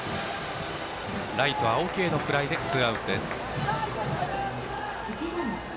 レフト、青木へのフライでツーアウト。